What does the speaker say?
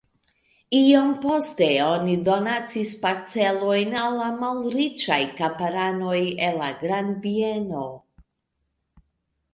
Iom poste oni donacis parcelojn al la malriĉaj kamparanoj el la grandbieno.